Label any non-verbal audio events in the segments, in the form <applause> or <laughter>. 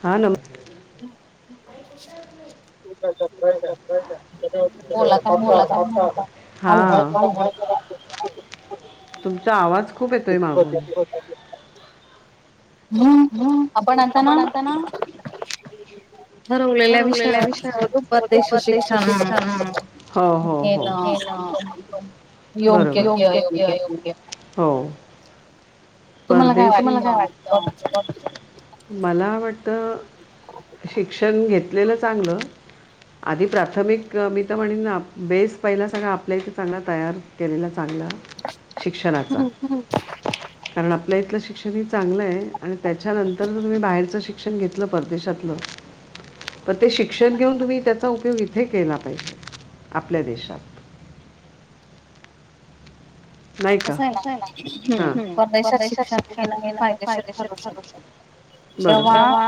हां नमस हम्मं कायंय हां. तुमचां आवांज खूपचं येतोय मागुंन - हम्मं आपणं आंता नां- हरवलेल्या विषयांपत सु शिक्षणं- हो, हो, हो. हे ना बरोबर योग्य की अयोग्य. हो. परदेशी तुम्हांला काय वाटतं? मला वाटतं, शिक्षण घेतलेलं चांगलं. आधी प्राथमिक मी तर म्हणेन, बेस पहिला सगळा आपल्या इथे चांगला तयार केलेला चांगला. शिक्षणाचा. हंहू कारण आपल्या इथलं शिक्षण ही चांगलं आहे आणि त्याच्यानंतर जर तुम्ही बाहेरच शिक शिक्षण घेतलं परदेशातलं, तर ते शिक्षण घेऊन तुम्हीं त्याचा उपयोग इथे केला पाहिजे आपल्या देशात. नाही का, कसंय ना हं परदेशात शिक्षण घेणं हे फायदेशीर ठरू शकतं. बरोबर जेव्हा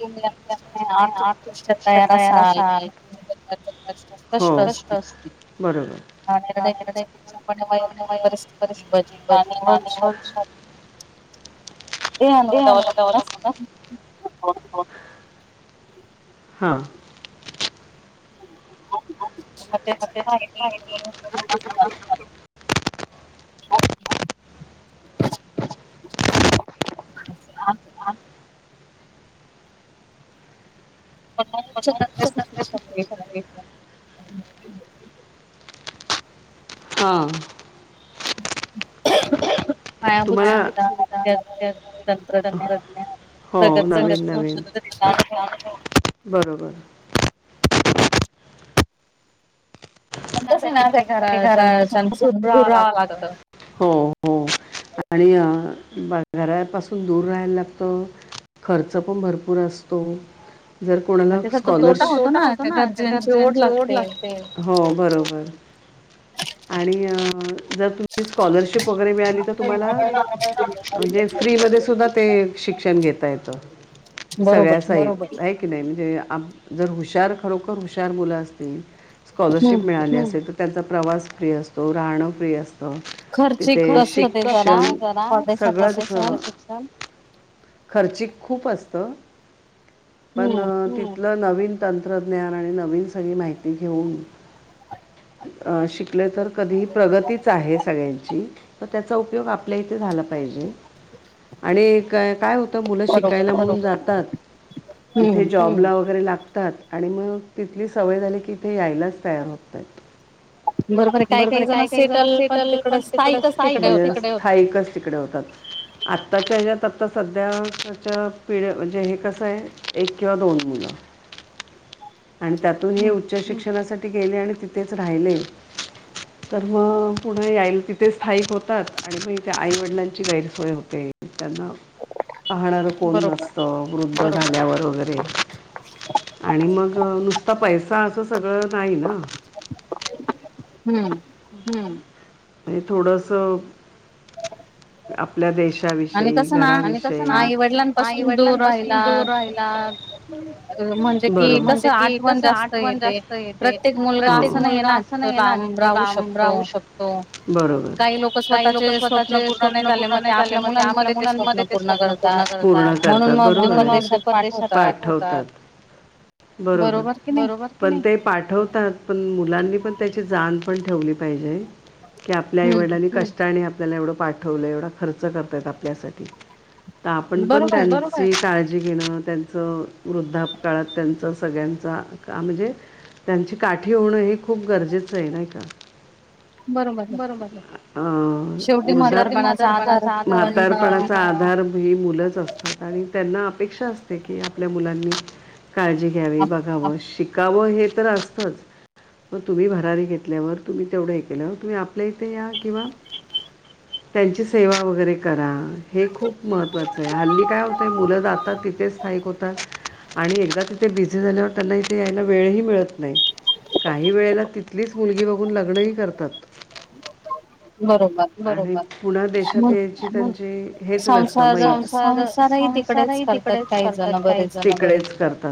तुम्हीं <unintelligible> आर्थिक दृष्ट्या तयार असाल, हो बरोबर हां निर्णय तुमचा पूर्णपणे वैयक्तिक परिस्थिती बजेट आणि वर्ष हे आणून ठेवलं मलाच, कौतुक हां म त्यांच काय <unintelligible> <unintelligible> <unintelligible> शिक्षण मिळतं हां.... तुम्हांला <unintelligible> तंत्रज्ञान हो नवीन- नवीन. <unintelligible> बरोबर. <unintelligible> घराच्या आणि भरपूर आवाज येतो. हो, हो.. आणि अ घरापासून दूर राहायला लागतं. खर्च पण भरपूर असतो. जर कोणाला स्कॉलरशिप, तोटा होतो ना घरच्यांची ओढ लागते, हो बरोबर. <unintelligible> आणि जर तुम्हीं स्कॉलरशिप वगैरे मिळाली तर तुम्हांला म्हणजे फ्री मध्ये सुद्धा ते शिक्षण घेता येतं. बरोबर. ताई, बरोबर हाय की नाही म्हणजे जर हुशार खरोखर हुशार मुलं असतील, स्कॉलरशिप मिळाली हूं... असेल तर, त्यांचा प्रवास फ्री असतो, राहणं फ्री अस तं तिथे खर्चिक प्रशिक्षण शिक्षण सगळंच खर्चिक खूप असतं पण हो ति तिथलं नवीन तंत्रज्ञान आणि नवीन सगळी माहिती घेऊन, अ शिकले तर कधी ही प्रगतीच आहे सगळ्यांची. तर त्याचा उपयोग आपल्या इथे झाला पाहिजे. आणि क काय होतं मुलं शिकायला म्हणून जातात, तिथे जॉबला वगैरे लागतात, आणि मग तिथली सवय झाली की, इथे यायलाच तयार होत नाहीत. बरोबर आहे काय काही जण सेटल पण तिकडंच स्थायिकच तिकडे हो स्थाईकच तिकडे होतात. आत्ताच्या ह्याजात आत्ता सध्याच्या पिढ्या म्हणजे हे कसं आहे एक किंवा दोन मुलं. <unintelligible> आणि त्यातून हे उच्च शिक्षणासाठी गेले आणि तिथेच राहिले. तर मग पुन्हा यायल तिथे स्थायिक होतात आणि मग इ थे आई वडिलांची गैरसोय होते. त्यांना पाहणारं कोण नसतं. वृद्ध झाल्यावर वगैरे आणि मग नुसता पैसा. तं सगळं नाही ना. <inaudible> हम्म हम्, हे थोडस. आपल्या देशाविषयी घरा ना आणि कसं ना आई वडिलांपासून दूर राहिल. <unintelligible> बरोबर म्हणजे कि तसं आठ वन पण जास्त येते प्रत्येक मुलगा असं नाही आहे ना तो लांब राहू शकतो. हो बरोबर काही लोक स्वतःचे स्वप्न पूर्ण नाही झाली. मग ते आपल्या मुलांमध्ये ते स्वप्न पूर्ण करतात पूर्ण करतात बरोबर आहे म्हणून मग ते परदेशात पाठवतात. <inaudible> बरोबर बरोबर. पण ते पाठवतात पण मुलांनी पण त्याची जाण पण ठेवली पाहिजे. की, आपल्या आईवडलांनी कष्टाने आपल्याला एवढं पाठवलंय एवढा खर्च करतायत आपल्यासाठी. ता आपण पण त्यांच बरं. ची काळजी घेणं त्यांचं वृद्धापकाळात त्यांचं सगळ्यांचा. का म्हणजे त्यांची काठी होणं हे खूप गरजेचं आहे नाही का. बरोबर. ''अं'' वृद्धाप शेवटी म्हातारपणाचा आधार म्हातारपणाचा आधार. ही मुलंच असतात आणि त्यांना अपेक्षा असते की, आपल्या मुलांनी. काळजी घ्यावी बघावं शिकावं हे तर असतच. मग तुम्ही भरारी घेतल्यावर तुम्ही तेवढं हे केल्यावर तुम्ही आपल्या इथे या किंवा. <inaudible> त्यांची सेवा वगैरे करा हे खूप महत्त्वाचं आहे. हल्ली काय होतंय मुलं जातात तिथेच स्थायिक होतात. तर आणि एकदा तिथे बिझी झाल्यावर त्यांना इथे. याला वेळही मिळत नाही काही वेळेला तिथलीच मुलगी बघून लग्नही करतात. हम् <inaudible> बरोबर आणि पुन्हा देशात यायची त्यांची हेच नसत मग संसारच सं ''--'' सारही तिकडेच करतात काही जण तिकडेच करात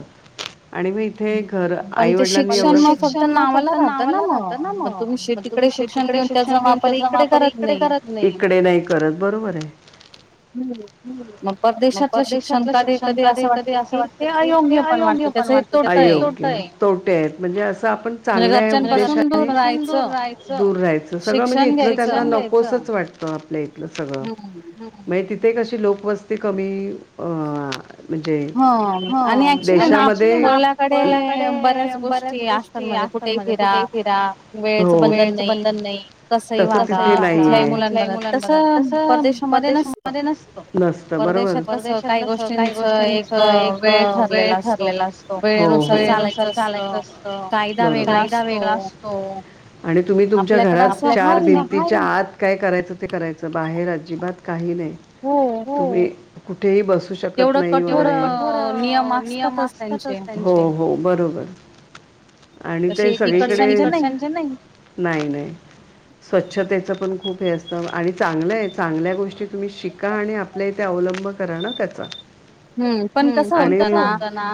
आणि मी इथे. हे ही खरं आईवडिलांनी एवढं ते शिक्षण मग फक्त नावाला राहत ना मग तुम्ही शी ''--'' तिकडे शिक्षण घेऊन त्याचा वापर इकडे करत नाही इकडे नाही करत बरोबर आहे. हम् <inaudible> मग परदेशातलं शिक्षण कधी कधी असं वाटतं की, ते अयोग्य पण वाटतं त्याचे. अयोग्य त्यामुळे तोटा आहे. तोटे आहेत म्हणजे असं आपण म्हणजे चांगल्या उद्देशाने घरच्यांपासून दूर राहणं. राहायचं दूर राहायचं सगळं म्हणजे शिक्षण घ्यायचं इथलं त्यांना नकोसच वाटतं आपल्या इथलं सगळं. मग तिथे कशी लोकवस्ती कमी ''अं'' म्हणजे हम. ऍक्च्युली माप देशामध्ये. कोलाकडे बऱ्याच गोष्टी असतात म्हणजे कुठेही फिरा. हो वेळेच बंधन नाही. कसं तिथे नाहीये वागा तसं तिथं नाहीय कुठल्याही मुलांनाही बघा तसं परदेशामध्ये नसतं. नसतं बरोबर परदेशात कसं काही गोष्टींच एक वेळ ठरलेला असतो. हो वेळेनुसार चालायच असत बरोबर कायदा वेगळा असतो. आणि तुम्ही तुमच्या घरात आपल्यात तसं हाय चार भिंतीच्या आत. काय करायचं ते करायचं बाहेर अजिबात काही नाही हो. हो. तुम्ही कुठेही बसू शकत नाही. एवढं कठोर नियम असतातच. हो हो बरोबर आणि ते सगळीकडे, शेतीकडच्या चे नाही. नाही नाही. स्वच्छतेचं पण खूप हे असतं आणि चांगल आहे चांगल्या गोष्टी तुम्ही शिका आणि आप आपल्या इथे अवलंब करा ना त्याचा. हं पण कस होतं ना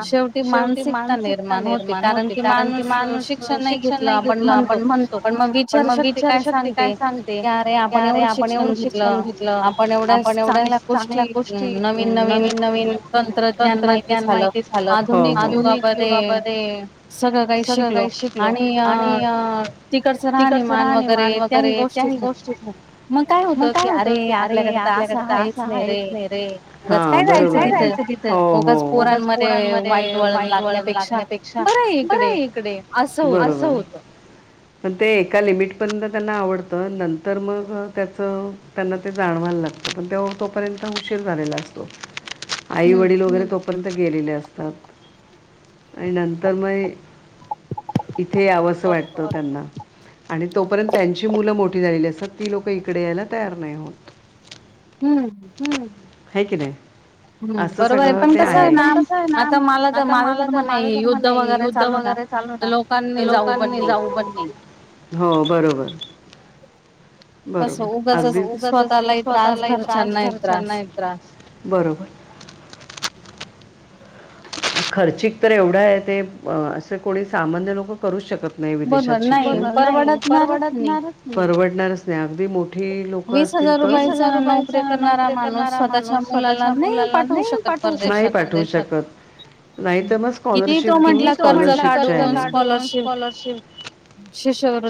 शेवट टी मानसिकता निर्माण होते कारण की माणूस शिक्षण नाही घेतलं आपण म्हणतो पण मग विचार शक्ती काय सांगते की अरे आपण एवढं शिक्षण घेतलं आपण एवढ्या चांगल्या गोष्टी नवीन नवीन तंत्रज्ञान माहिती झालं आधुनिक युगामध्ये सगळं काही शिकलो आणि अह तिकडचं राहणीमान वगैरे त्याही गोष्टी मग काय होत की अरे आपल्याकडे तर असं आहेच नाही रे, उगच काय जायचं तिथ, उगच पोरांमध्ये वाईट वळण लागण्यापेक्षा बरं आहे इकडे, असं होत. पण ते एका लिमिटपर्यंत त्यांना आवडतं नंतर मग त्याचं त्यांना ते जाणवायला लागतं पण ते तोपर्यंत उशीर झालेला असतो आई वडील वगैरे तोपर्यंत गेलेले असता त आणि नंतर मग इथे यावस सं वाटतं त्यांना. आणि तोपर्यंत त्यांची मुलं मोठी झालेली असतात. ती लोकं इकडे यायला तयार नाही होत. हम्म. हम्म हाय की नाही? असं सगळं ते आहे. <unintelligible> कसय ना आता मला तर माझ धर्म नाही युद्ध वगैरे चालूय ना तर लोकांनी जाऊ. <unintelligible> हो बरोबर. बरोबर अगदीच. असं उगचच स्वतःलाही त्रास घरच्यांनाही त्रास. बरोबर. खर्चिक तरी एवढ आहे ते असे कोणी सामान्य लोक करूच शकत नाही विदेशात शिक्षण. बरोबर नाही परवडतनारच नाही. परवडणारच नाही अगदी मो ठी लोक असतील तर. वीस हजार रुपयाच्या नोकरी करणारा माणूस स्वतःच्या मुलाला नाही पाठ वू शकत. नाही पाठवू शकत. नाही तर मग स्कॉलरशिप घेऊन स्कॉलरशिपच्या ह्याने, कितीही तो म्हटला खर्च काढून स्कॉलरशिप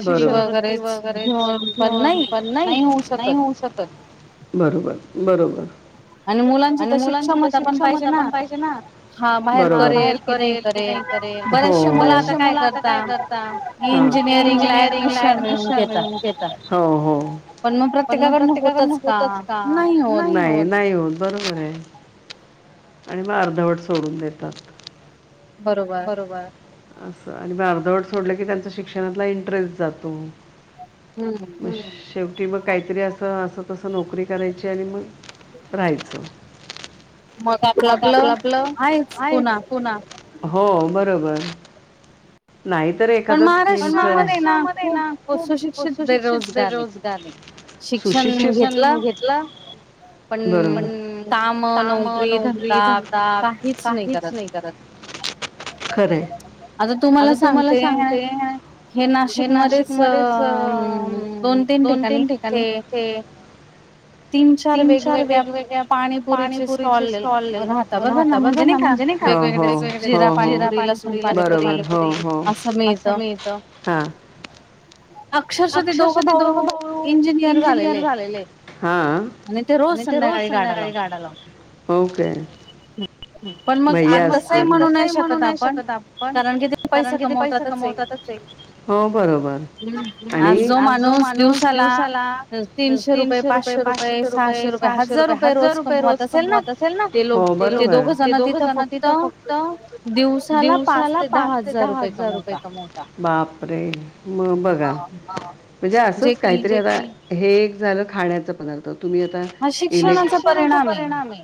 बरोबर. शिष्यवृत्ती वगैरेच म्हणून पन नाही नाही होऊ शकत. बरोबर बरोबर. आणि मुलांची तशी क्षमता पण पाहिजे ना. बरोबर. अह बाहेर करेल कि नाही करेल. हो हो. बरेचशे मुलं आता काय करतात हा. इंजिनिअरिंगला ऍडमिशन घेतात. हो हो पण मग प्रत्येकाकडनं होतच का, नाही, नाही होत, नाही होत. बरोबर आहे आणि मग अर्धवट सोडून देतात. बरोबर. असं आणि मग अर्धवट सोडलं की त्यांचा शिक्षणातला इंटरेस्ट जातो. हम्म. म शेवटी मग काहीतरी असं असं तसं नोकरी करायची आणि मग राहायचं. मग काय आपलं आपलं, तेच पुन्हा. हो बरोबर. नाहीतर एखादा स्किन्सच. पण महाराष्ट्रामध्ये ना खूप उच्च शिक्षित बेरोजगार आहं. सुशिक्षित. म्हणवून घेतल. बरोबर. पण काम, नोकरी, धंदा. काहीच नाही करत. खरंय. आता तूम्हाला सांगते, हे नाशिक मधेच दोन तीन ठिकाणी हे, तीन चार वेगवेगळ्या पाणीपुरीचे स्टॉल राह बरबर ना म्हणजे नाही का वेगळे वेगळे जिरा पाणीपुरी, बरोबर हो हो. लसून पाणी अस पण मिळतं. <unintelligible> अक्षरशा ते दोघ भाऊ इंजिनियर झालेले आहेत. हा हा, आणि ते रोज संध्याकाळी गाडा लावतात. हो काय? भैया असतिल? पण मग तसही म्हणू नाही शकत आप पण कारण कि ते पैसा कमवतातच आहे. हो बरोबर. आणि. आज जो माणूस दिवसाला तीनशे रुपये पाचशे रुपये, सहाशे रुपये हजार रुपये रोज कमवत असेल ना ते लोक? हो बरोबर. ते दोघं जण तिथं फक्त दिवस साला पाच ते दहा हजार रुपये कमवता. बापरे मग बघा? म्हणजे असंच काहीतरी आता हे एक झालं खाण्याचा पदार्थ. तुम्ही आता, हा शिक्षणाचा परिणाम आहे,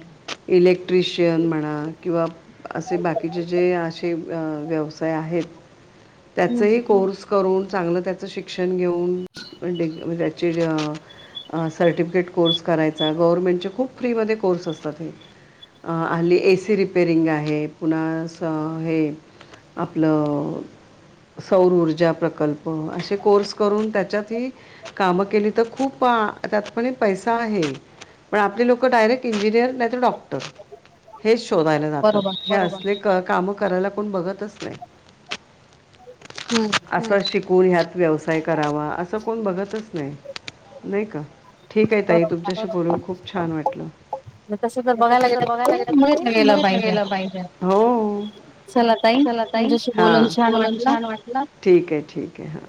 इलेक्ट्रिशियन म्ह ह्अ किंवा असे बाकीचे जे असे व्यवसाय आहेत. त्याचं ही कोर्स करून चांगलं त्याचं शिक्षण घेऊ पण डिग त्याचे सर्टिफिकेट कोर्स करायचा, गव्हर्नमेंटचे खूप फ्रीमध्ये कोर्स असतात हे. हाली एस सी रिपेरिंग आहे पुन्हा असं हे आपलं, सौर ऊर्जा प्रकल्प असे कोर्स करून त्याच्यातही, कामं केली तर खूप आ त्यात पण पैसा आहे. पण आपली लोक डायरेक्ट इंजिनिअर नाही तर डॉक्टर. हेच शोधायला जातात. हे असले की काम करायला कोण बघतच नाही. हम्म असा शिकून ह्यात व्यवसाय करावा. असं कोण बघतच नाही नाही का? ठीक आहे ताई तुमच्याशी बोलून खूप छान वाटलं. तस जर बघायला गेलं बघितलं गेलं पाहिजे. हो चला ताई तुमच्याशी बोलून छान वाट ल ठीक आहे ठीक आहे हा.